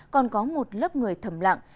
còn có một lớp người thầm lặng